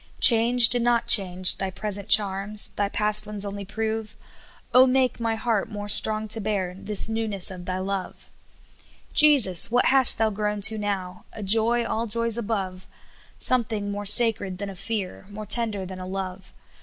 " Changed and not changed, Thy present charms, Thy past ones only prove, Oh, make my heart more strong to bear This newness of Thy love. 64 SOUIv FOOD. •' Jesus ! what hast thou grown to now ? A joy all joys above, Something more sacred than a fear, More tender than a love.